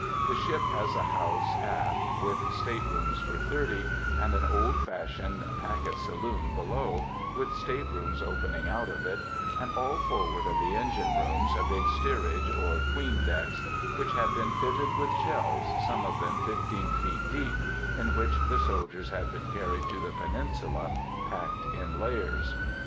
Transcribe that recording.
The ship has a house aft, with state rooms for thirty, and an old fashioned packet saloon below, with state rooms opening out of it; and all forward of the engine rooms, a big steerage, or "'tween decks," which had been fitted with shelves, some of them fifteen feet deep, in which the soldiers had been carried to the Peninsula, packed in layers.